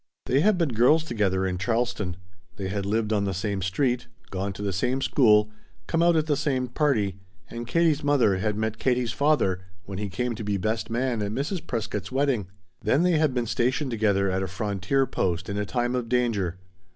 They had been girls together in Charleston. They had lived on the same street, gone to the same school, come out at the same party, and Katie's mother had met Katie's father when he came to be best man at Mrs. Prescott's wedding. Then they had been stationed together at a frontier post in a time of danger.